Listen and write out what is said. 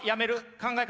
考え方